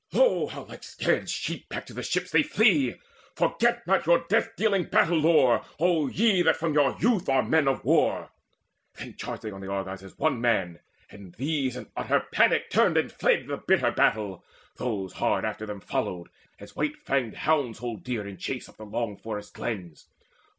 Lo, how like scared sheep back to the ships they flee! Forget not your death dealing battle lore, O ye that from your youth are men of war!" Then charged they on the Argives as one man; And these in utter panic turned and fled The bitter battle, those hard after them Followed, as white fanged hounds hold deer in chase Up the long forest glens.